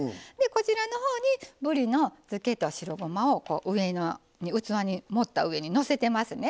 こちらのほうにぶりのづけと白ごまを器に盛った上にのせてますね